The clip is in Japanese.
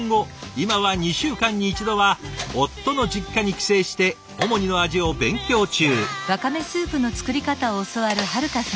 今は２週間に１度は夫の実家に帰省してオモニの味を勉強中。